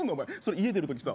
家出る時さ